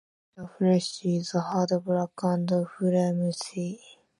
The flesh is hard, black, and flimsy.